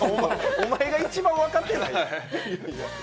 お前が一番わかってない。